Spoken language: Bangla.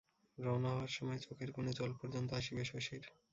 রওনা হওয়ার সময় চোখের কোণে জল পর্যন্ত আসিবে শশীর।